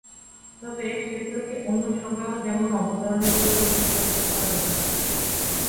তবে সেগুলোকে অন্য সময়েও যেমন অবতরণের পূর্বে প্রসারিত করা যেতে পারে।